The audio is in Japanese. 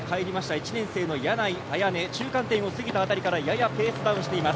１年生の柳井綾音中間点を過ぎたあたりからややペースダウンしています。